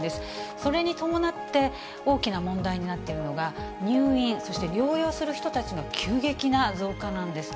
それに伴って、大きな問題になっているのが、入院、そして療養する人たちの急激な増加なんです。